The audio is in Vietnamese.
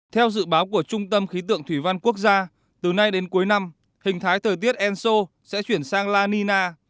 theo dự báo của trung tâm khí tượng thủy văn quốc gia từ nay đến cuối năm hình thái thời tiết enso sẽ chuyển sang la nina